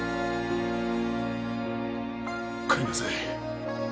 帰りなさい。